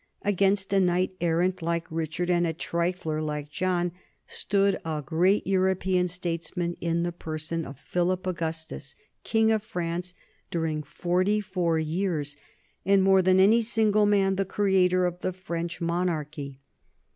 Against a knight errant like Richard and a trifler like John, stood a great European statesman in the person of Philip Augustus, king of France during forty four years, and more than any single man the creator of the French mon archy.